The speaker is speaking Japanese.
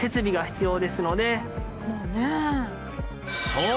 そう！